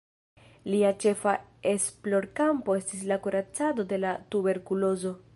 Lia ĉefa esplorkampo estis la kuracado de la tuberkulozo.